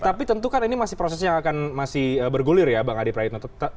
tapi tentu kan ini masih prosesnya akan masih bergulir ya bang adi praetno